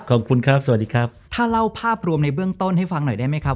ขอบคุณครับสวัสดีครับถ้าเล่าภาพรวมในเบื้องต้นให้ฟังหน่อยได้ไหมครับ